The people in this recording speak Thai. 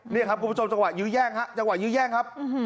เนี่ยครับคุณผู้ชมจังหวะยื้อแย่งครับ